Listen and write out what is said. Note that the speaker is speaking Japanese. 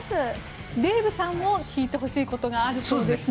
デーブさんも聞いてほしいことがあるそうですね。